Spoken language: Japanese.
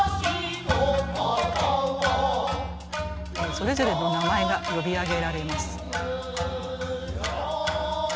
それぞれの名前が呼び上げられます。